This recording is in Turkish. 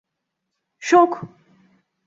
Şok!